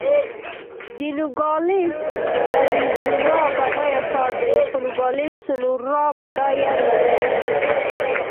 د نوګالس اریزونا بډایه ښار دی، خو نوګالس سونورا بډایه نه دی.